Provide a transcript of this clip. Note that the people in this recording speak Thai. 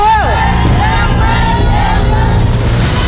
๑บอร์นัส